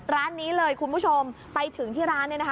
ร้านนี้เลยคุณผู้ชมไปถึงที่ร้านเนี่ยนะคะ